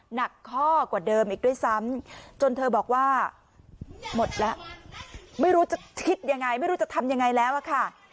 หนักข้อกว่าเดิมอีกด้วยซ้ำจนเธอบอกว่าหมดแล้วไม่รู้จะคิดยังไงไม่รู้จะทำยังไงแล้วอะค่ะ